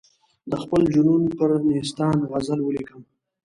د خپل جنون پر نیستان غزل ولیکم.